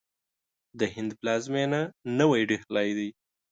د هند پلازمینه نوی ډهلي ده.